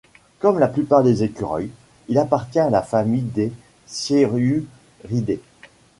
Comme la plupart des écureuils il appartient à la famille des Sciuridés.